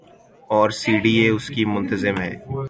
اورسی D A اس کی منتظم ہے۔